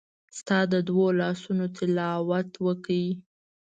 ستا د دوو لاسونو تلاوت وکړ